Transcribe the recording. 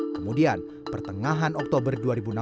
kemudian pertengahan oktober dua ribu enam belas